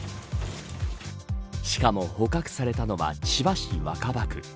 しかも捕獲されたのは千葉市若葉区。